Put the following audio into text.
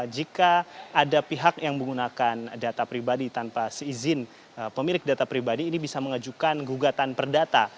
jika ada pihak yang menggunakan data pribadi tanpa seizin pemilik data pribadi ini bisa mengajukan gugatan perdata